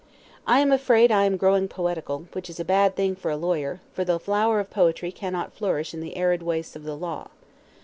I am afraid I am growing poetical, which is a bad thing for a lawyer, for the flower of poetry cannot flourish in the arid wastes of the law.